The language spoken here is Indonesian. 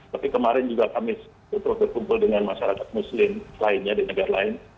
tapi kemarin juga kami berkumpul dengan masyarakat muslim lainnya di negara lain